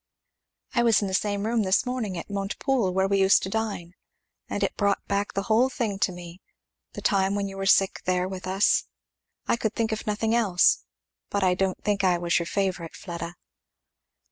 "I was in the same room this morning at Montepoole where we used to dine, and it brought back the whole thing to me the time when you were sick there with us. I could think of nothing else. But I don't think I was your favourite, Fleda."